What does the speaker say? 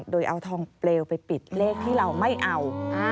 โดยเอาทองเปลวไปปิดเลขที่เราไม่เอา